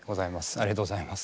ありがとうございます。